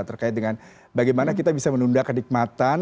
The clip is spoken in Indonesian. terkait dengan bagaimana kita bisa menunda kenikmatan